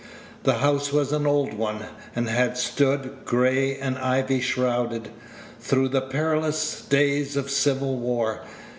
The house was an old one, and had stood, gray and ivy shrouded, through the perilous days of civil war.